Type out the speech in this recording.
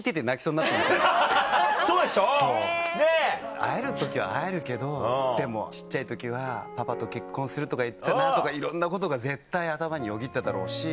会える時は会えるけどでも小っちゃい時は「パパと結婚する」とか言ってたなとかいろんなことが絶対頭によぎっただろうし。